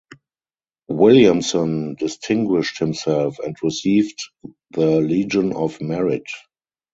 Williamson distinguished himself and received the Legion of Merit.